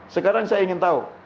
sekarang saya ingin tahu